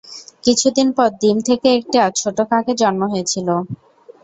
কিছুদিন পর, ডিম থেকে একটা ছোট কাকের জন্ম হয়েছিল।